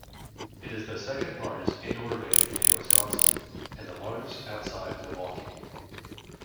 It is the second largest indoor venue in Wisconsin and the largest outside Milwaukee.